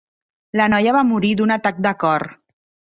La noia va morir d'un atac de cor.